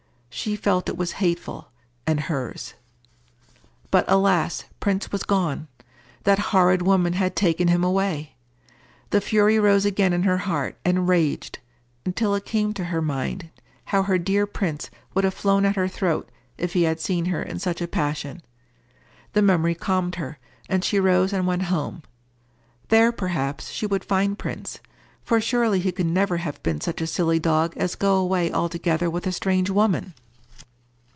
She felt it was hateful, and hers. But, alas, Prince was gone! That horrid woman had taken him away! The fury rose again in her heart, and raged—until it came to her mind how her dear Prince would have flown at her throat if he had seen her in such a passion. The memory calmed her, and she rose and went home. There, perhaps, she would find Prince, for surely he could never have been such a silly dog as go away altogether with a strange woman!